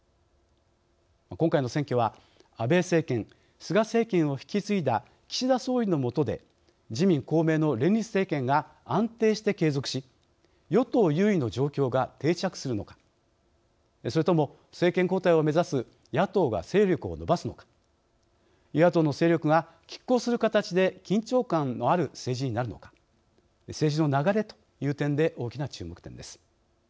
今回の選挙は安倍政権・菅政権を引き継いだ岸田総理のもとで自民・公明の連立政権が安定して継続し与党優位の状況が定着するのかそれとも政権交代を目指す野党が勢力を伸ばすのか与野党の勢力がきっ抗する形で緊張感のある政治になるのか政治の流れという点で大きな注目点です。